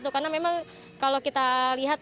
karena memang kalau kita lihat